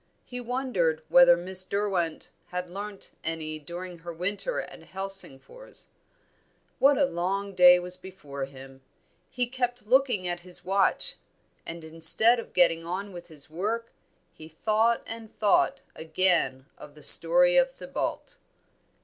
He wondered whether Miss Derwent had learnt any during her winter at Helsingfors. What a long day was before him! He kept looking at his watch. And, instead of getting on with his work, he thought and thought again of the story of Thibaut.